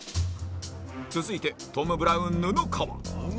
続いてトム・ブラウン布川